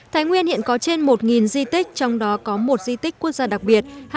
thái nguyên hiện có trên một di tích trong đó có một di tích quốc gia đặc biệt